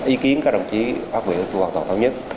ý kiến các đồng chí phát biểu của bộ ngoại giao tổng thống nhất